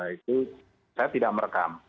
itu saya tidak merekam